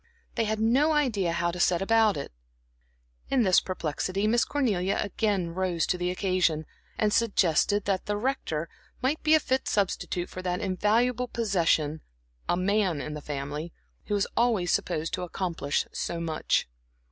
They had no idea how to set about it. In this perplexity Miss Cornelia again rose to the occasion, and suggested that the Rector might be a fit substitute for that invaluable possession "a man in the family," who is always supposed to accomplish so much.